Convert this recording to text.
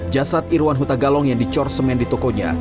jasad irwan hutagalong yang dicor semen di tokonya